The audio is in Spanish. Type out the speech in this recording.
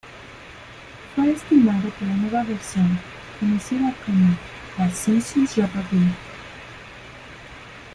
Fue estimado que la nueva versión, conocida como "The Simpsons Jeopardy!